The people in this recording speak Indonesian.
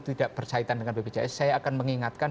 tidak bersahitan dengan pbjs saya akan mengingatkan